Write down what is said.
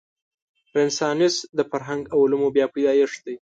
رنسانس د فرهنګ او علومو بیا پیدایښت دی.